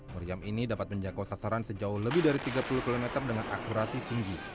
meriam ini dapat menjangkau sasaran sejauh lebih dari tiga puluh km dengan akurasi tinggi